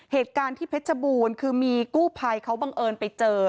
เหตุการณ์ที่เพชรบูรณ์คือมีกู้ภัยเขาบังเอิญไปเจอ